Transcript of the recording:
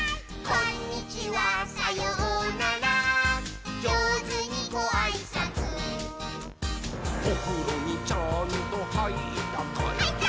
「こんにちはさようならじょうずにごあいさつ」「おふろにちゃんとはいったかい？」はいったー！